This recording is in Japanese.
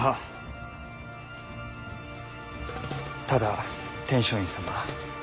ただ天璋院様。